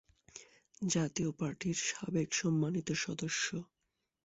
জাতীয় পার্টির সাবেক সম্মানিত সদস্য,